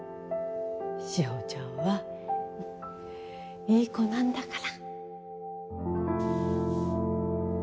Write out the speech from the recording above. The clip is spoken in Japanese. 志保ちゃんはいい子なんだから。